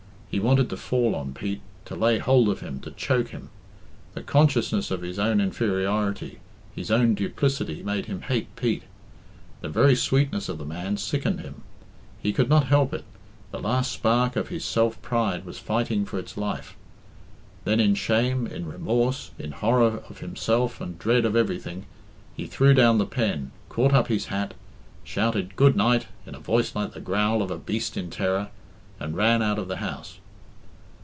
He wanted to fall on Pete; to lay hold of him, to choke him. The consciousness of his own inferiority, his own duplicity, made him hate Pete. The very sweetness of the man sickened him. He could not help it the last spark of his self pride was fighting for its life. Then in shame, in remorse, in horror of himself and dread of everything, he threw down the pen, caught up his hat, shouted "Good night" in a voice like the growl of a beast in terror, and ran out of the house.